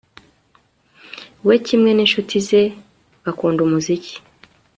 We kimwe ninshuti ze bakunda umuziki